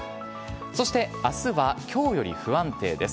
そしてあすは、きょうより不安定です。